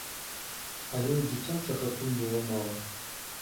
Але і дзіцячага тут было мала.